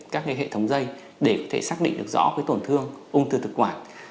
các hệ thống dây để có thể xác định được rõ cái tổn thương ung từ thực quản